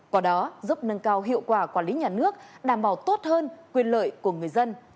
có đó giúp nâng cao hiệu quả quản lý nhà nước đảm bảo tốt hơn quyền lợi của người dân